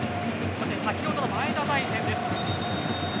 先ほどの前田大然です。